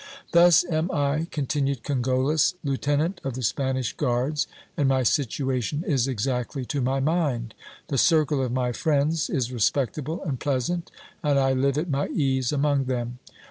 Thus am I, continued Cogollos, lieutenant of the Spanish guards, and my situation is exactly to my mind. The circle of my friends is respectable and pleasant, and I live at my ease among them.